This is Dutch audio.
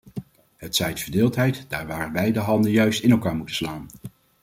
Het zaait verdeeldheid daar waar wij de handen juist in elkaar moeten slaan.